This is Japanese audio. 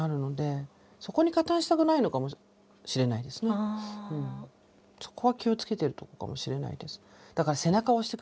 そうするとそこは気を付けてるとこかもしれないです。